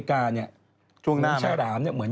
ไกลพิวเตอร์